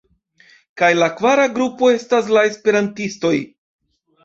Kaj la kvara grupo estas la esperantistoj.